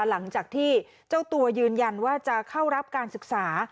หลังจากที่เจ้าตัวยืนยันว่าจะเข้ารับการศึกษา